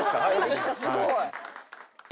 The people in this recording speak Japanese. めっちゃすごい。